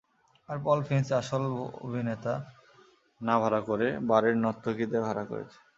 আর Paul Finch আসল অভিনেতা না ভাড়া করে বারের নর্তকীদের ভাড়া করেছে।